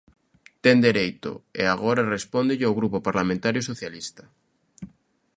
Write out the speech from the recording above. Ten dereito, e agora respóndelle o Grupo Parlamentario Socialista.